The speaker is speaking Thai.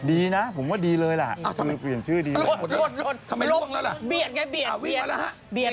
ดีนะผมว่าดีเลยละเปลี่ยนชื่อดีเลย